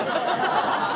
ハハハハ！